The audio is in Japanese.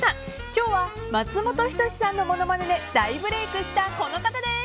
今日は松本人志さんのものまねで大ブレークした、この方です。